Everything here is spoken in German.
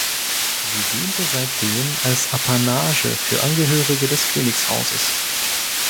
Sie diente seitdem als Apanage für Angehörige des Königshauses.